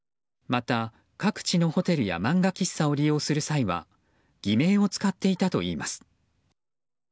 また、各地のホテルや漫画喫茶を利用する際は偽名を使っていたといいます。